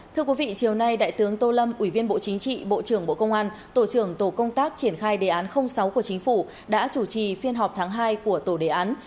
thưa quý vị chiều nay đại tướng tô lâm ủy viên bộ chính trị bộ trưởng bộ công an tổ trưởng tổ công tác triển khai đề án sáu của chính phủ đã chủ trì phiên họp tháng hai của tổ đề án